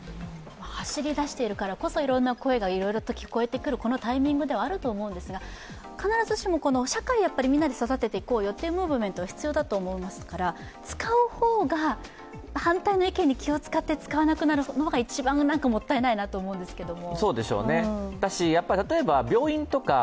走り出しているからこそ、いろんな声が聞こえてくるこのタイミングではあると思うんですが、必ずしも社会でみんなで育てていこうというムーブメントは必要だと思いますから使う方が、反対の意見に気を遣って使わない方が一番なんかもったいないなと思うんですけども。